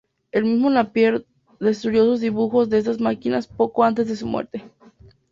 El mismo Napier destruyó sus dibujos de estas máquinas poco antes de su muerte.